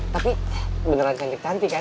tapi beneran cantik cantik kan